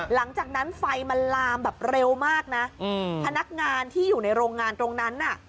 หลังจากนั้นไฟมันลามแบบเร็วมากนะอืมพนักงานที่อยู่ในโรงงานตรงนั้นน่ะ